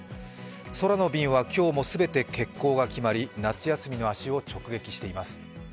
空の便は今日も全て欠航が決まり、夏休みの足を直撃しています。